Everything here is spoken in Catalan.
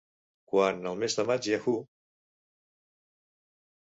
Quan, al mes de maig Yahoo!